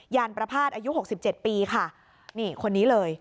ยานประพาทอายุหกสิบเจ็ดปีค่ะนี่คนนี้เลย